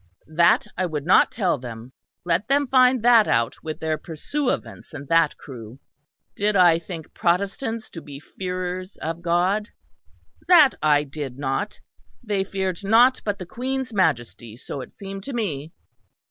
That I would not tell them; let them find that out with their pursuivants and that crew. Did I think Protestants to be fearers of God? That I did not; they feared nought but the Queen's Majesty, so it seemed to me.